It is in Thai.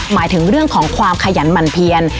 หมายถึงเรื่องของความขยันหมั่นเพียน